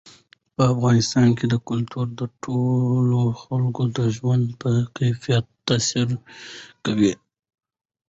په افغانستان کې کلتور د ټولو خلکو د ژوند په کیفیت تاثیر کوي.